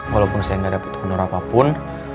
walaupun saya gak ada putus asa apapun